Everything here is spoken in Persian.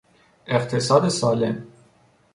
اقتصاد سالم